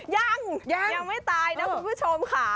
ยังยังไม่ตายนะคุณผู้ชมค่ะ